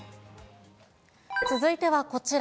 続いてはこちら。